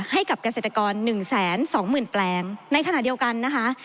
ให้กับเกษตรกร๑๒๐๐๐แปลงในขณะเดียวกันนะคะ